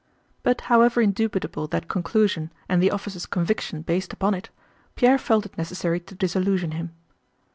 But however indubitable that conclusion and the officer's conviction based upon it, Pierre felt it necessary to disillusion him.